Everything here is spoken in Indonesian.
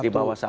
di bawah satu